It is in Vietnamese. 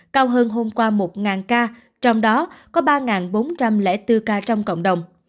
cao hơn hôm qua một ca trong đó có ba bốn trăm linh bốn ca trong cộng đồng